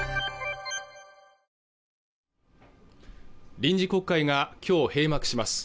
臨時国会が今日閉幕します